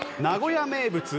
名古屋名物